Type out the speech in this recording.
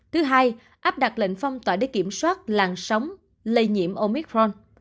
thứ hai áp đặt lệnh phong tỏa để kiểm soát làn sóng lây nhiễm omicron